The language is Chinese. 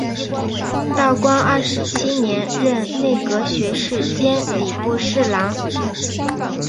道光二十七年任内阁学士兼礼部侍郎。